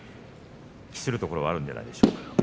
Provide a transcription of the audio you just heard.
期するところはあるんじゃないですか。